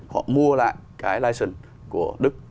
họ mua lại cái license của đức